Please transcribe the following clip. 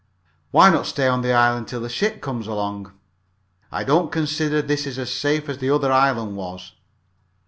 "Why not stay on this island till a ship comes along?" "I don't consider this as safe as the other island was."